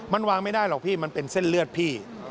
มันวางไม่ได้หรอกพี่มันเป็นเส้นเลือดพี่